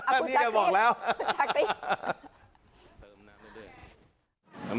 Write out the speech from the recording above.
อันนี้เดียวบอกแล้วฮัลโฮจักริย์ฮัลโฮจักริย์บ๊วย